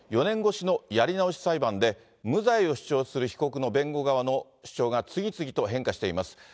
４年越しのやり直し裁判で無罪を主張する被告の弁護側の主張が次々と変化しています。